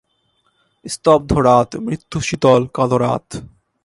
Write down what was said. স্তব্ধ রাত, মৃত্যুশীতল কালো রাত।